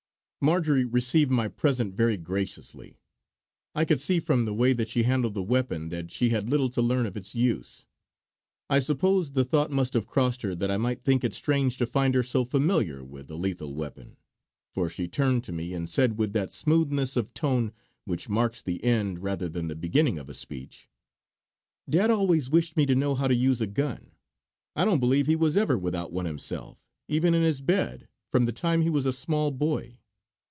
Marjory received my present very graciously; I could see from the way that she handled the weapon that she had little to learn of its use. I suppose the thought must have crossed her that I might think it strange to find her so familiar with a lethal weapon, for she turned to me and said with that smoothness of tone which marks the end rather than the beginning of a speech: "Dad always wished me to know how to use a gun. I don't believe he was ever without one himself, even in his bed, from the time he was a small boy.